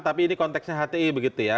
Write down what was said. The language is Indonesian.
tapi ini konteksnya hti begitu ya